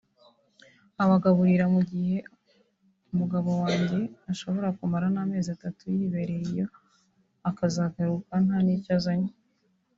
nkabagaburira mu gihe umugabo wanjye ashobora kumara n’amezi atatu yibereye iyo akazagaruka nta n’icyo azanye